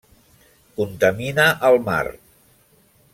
Contamina el mar.